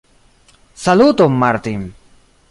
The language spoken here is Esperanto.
Saluton Martin!